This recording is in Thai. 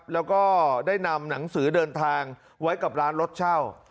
แล้วก็ได้นำหนังสือเดินทางไว้กับร้านรถเช่า